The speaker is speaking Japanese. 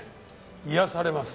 癒やされます。